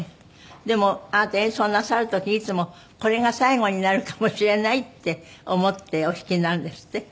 でもあなた演奏なさる時いつもこれが最後になるかもしれないって思ってお弾きになるんですって？